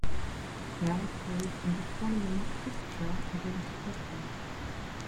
Bell played in the following fixture against Scotland.